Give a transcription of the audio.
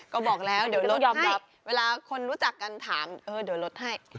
ก็บอกแล้วเดี๋ยวรถยอมรับเวลาคนรู้จักกันถามเดี๋ยวลดให้